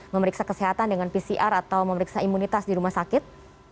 memeriksa kesehatan dengan pcr atau memeriksa imunitas di rumah sakit